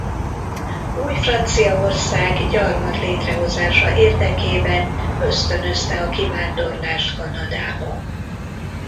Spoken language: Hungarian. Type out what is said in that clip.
Új-Franciaország gyarmat létrehozása érdekében ösztönözte a kivándorlást Kanadába.